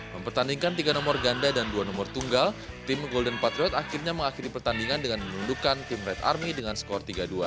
mempertandingkan tiga nomor ganda dan dua nomor tunggal tim golden patriot akhirnya mengakhiri pertandingan dengan menundukkan tim red army dengan skor tiga dua